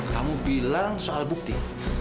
kamu bilang soal bukti